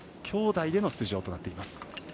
きょうだいでの出場となっています。